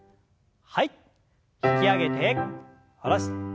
引き上げて下ろして。